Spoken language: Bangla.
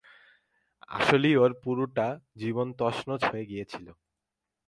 আসলেই, ওর পুরোটা জীবন তছনছ হয়ে গিয়েছিল।